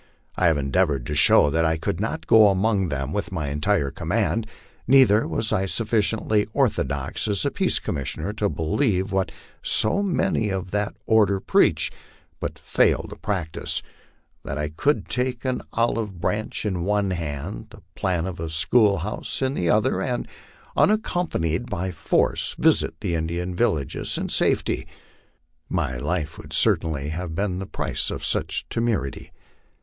I have endea vored to show that I could not go among them with my entire command, neither was I sufficiently orthodox as a peace commissioner to believe what so many of that order preach, but fail to practise, that I could take an olive branch in one hand, the plan of a school house in the other, and, unaccompa nied by force, visit the Indian villages in safety. My life would certainly have been the price of such temerity.